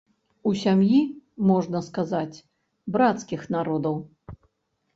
У сям'і, можна сказаць, брацкіх народаў.